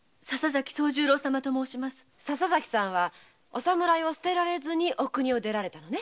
笹崎さんはお侍を捨てられずにお国を出られたのね？